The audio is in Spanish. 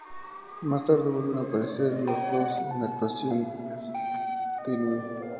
Más tarde vuelven aparecer los dos en una actuación de Stewie.